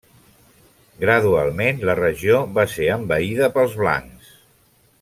Gradualment la regió va ser envaïda pels blancs.